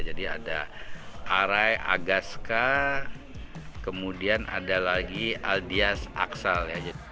jadi ada aray agaska kemudian ada lagi aldias aksal